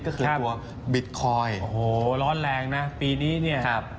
ก็คือกลัวบิตคอยน์โอ้โหร้อนแรงนะปีนี้เนี่ย